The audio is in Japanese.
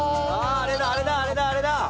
あれだあれだあれだあれだ！